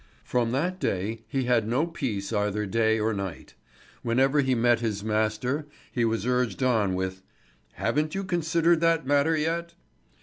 From that day he had no peace either day or night. Whenever he met his master, he was urged on with: "Haven't you considered that matter yet?"